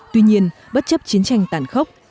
tuy nhiên bất chấp chiến tranh tàn khốc